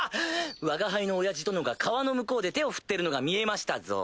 わが輩の親父殿が川の向こうで手を振ってるのが見えましたぞ。